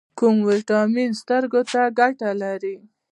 کوم ویټامین سترګو ته ګټه لري؟